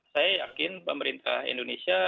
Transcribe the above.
saya yakin pemerintah indonesia